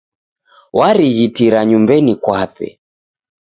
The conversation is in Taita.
Warighitira nyumbenyi kwape.